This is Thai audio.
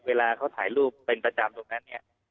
เวลาเขาถ่ายรูปเป็นประจำตรงนั้นเนี่ย